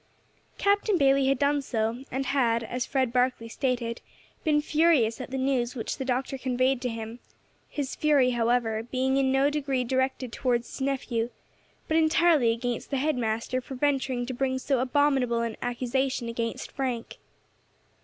Captain Bayley had done so, and had, as Fred Barkley stated, been furious at the news which the Doctor conveyed to him; his fury, however, being in no degree directed towards his nephew, but entirely against the head master for venturing to bring so abominable an accusation against Frank.